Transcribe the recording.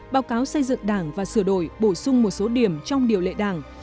báo cáo xây dựng đảng và sửa đổi bổ sung một số điểm trong điều lệ đảng